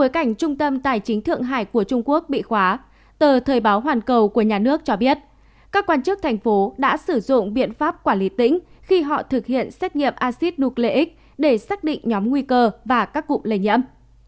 các quán chức thành phố đã sử dụng biện pháp quản lý tỉnh khi họ thực hiện xét nghiệm acid nucleic để xác định nhóm nguy cơ và các cụm lây nhiễm